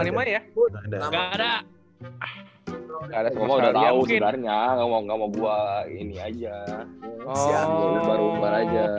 gak ada semua udah tau sebenarnya gak mau gak mau gue ini aja